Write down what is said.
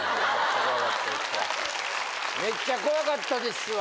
めっちゃ怖かったですわ。